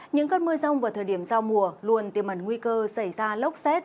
những cơn mưa rông vào thời điểm giao mùa luôn tiêm ẩn nguy cơ xảy ra lốc xét